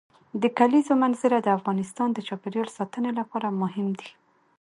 د کلیزو منظره د افغانستان د چاپیریال ساتنې لپاره مهم دي.